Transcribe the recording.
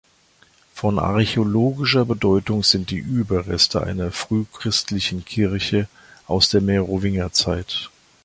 Von archäologischer Bedeutung sind die Überreste einer frühchristlichen Kirche aus der Merowingerzeit.